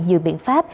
nhiều biện pháp